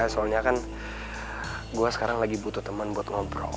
soalnya kan gue sekarang lagi butuh teman buat ngobrol